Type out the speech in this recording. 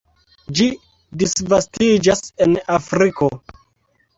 Ĝi disvastiĝas en Afriko.